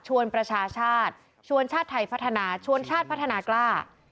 ประชาชาติชวนชาติไทยพัฒนาชวนชาติพัฒนากล้า